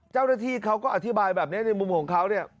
เจ้าหน้าที่เขาก็อธิบายแบบนี้ในมุมของเขาเนี่ย